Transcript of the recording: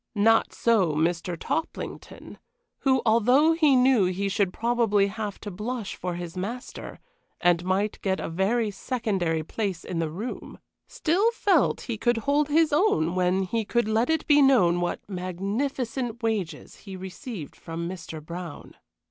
Not so Mr. Toplington, who, although he knew he should probably have to blush for his master, and might get a very secondary place in the "room," still felt he would hold his own when he could let it be known what magnificent wages he received from Mr. Brown.